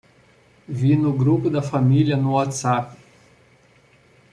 Vi no grupo da família no WhatsApp